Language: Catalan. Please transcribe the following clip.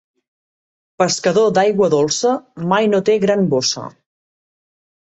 Pescador d'aigua dolça mai no té gran bossa.